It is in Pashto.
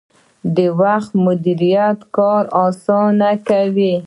د وخت مدیریت کار اسانه کوي